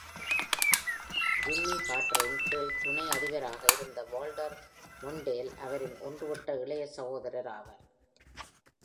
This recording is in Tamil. ஜிம்மி கார்ட்டரின் கீழ் துணை அதிபராக இருந்த வால்டர் மோன்டேல் அவரின் ஒன்றுவிட்ட இளைய சகோதரர் ஆவார்.